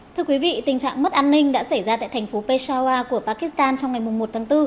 thưa quý vị tình trạng mất an ninh đã xảy ra tại thành phố pechawa của pakistan trong ngày một tháng bốn